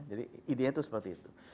jadi ide nya itu seperti itu